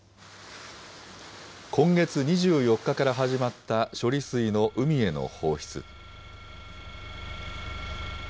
今月２４日から始まった処理水の海への放出。